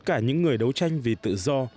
tất cả những người đấu tranh vì tự do